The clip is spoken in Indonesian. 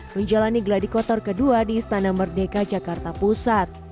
menjalani gladikotor kedua di istana merdeka jakarta pusat